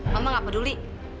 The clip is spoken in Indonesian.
mama gak peduli